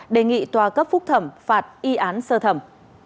đề nghị tòa cấp phúc thẩm phạt y án sơ thẩm